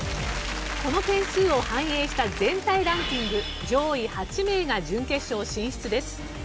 この点数を反映した全体ランキング上位８名が準決勝進出です。